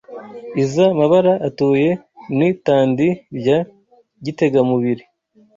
Iza Mabara atuye N'i Tandi rya Gitegamubiri